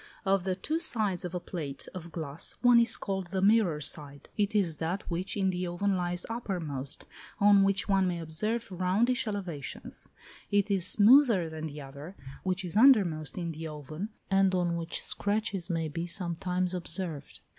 Of the two sides of a plate of glass one is called the mirror side; it is that which in the oven lies uppermost, on which one may observe roundish elevations: it is smoother than the other, which is undermost in the oven, and on which scratches may be sometimes observed.